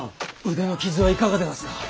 腕の傷はいかがでがすか？